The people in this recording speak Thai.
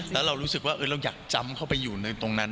แล้วเรารู้สึกว่าเราอยากจำเข้าไปอยู่ในตรงนั้น